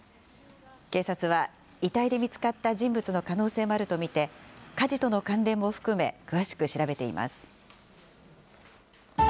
警察は、遺体で見つかった人物の可能性もあると見て、火事との関連も含め詳しく調べています。